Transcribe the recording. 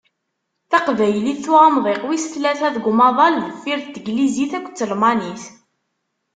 Taqbaylit, tuɣ amḍiq wis tlata deg umaḍal deffir n teglizit akked telmanit.